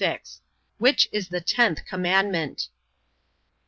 Which is the tenth commandment?